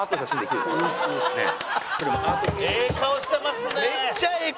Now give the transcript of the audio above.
「ええ顔してますね！」